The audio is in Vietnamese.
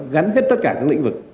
gắn hết tất cả các lĩnh vực